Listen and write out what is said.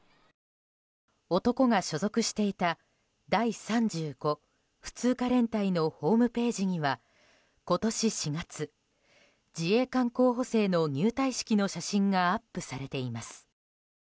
男が所属していた第３５普通科連隊のホームページには今年４月自衛官候補生の入隊式の写真がアップされています。